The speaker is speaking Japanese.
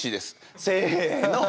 せの！